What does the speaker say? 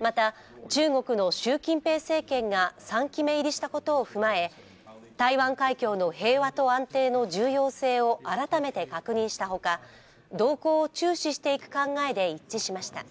また中国の習近平政権が３期目入りしたことを踏まえ台湾海峡の平和と安定の重要性を改めて確認したほか動向を注視していく考えで一致しました。